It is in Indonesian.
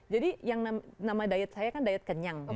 jadi yang nama diet saya kan diet kenyang